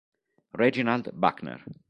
Reginald Buckner